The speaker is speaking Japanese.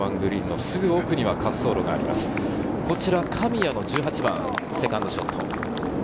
こちら神谷の１８番、セカンドショット。